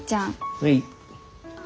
はい？